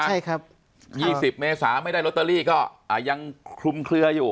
ใช่ครับ๒๐เมษาไม่ได้ลอตเตอรี่ก็ยังคลุมเคลืออยู่